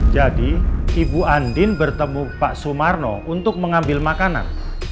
jadi ibu andin bertemu pak sumarno untuk mengambil makanan